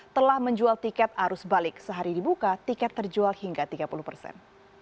telah menjual tiket arus balik sehari dibuka tiket terjual hingga tiga puluh persen